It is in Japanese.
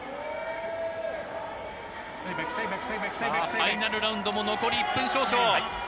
ファイナルラウンドもあと１分少々。